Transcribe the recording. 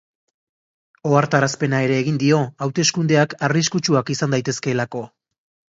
Ohartarazpena ere egin dio, hauteskundeak arriskutsuak izan daitezkeelako.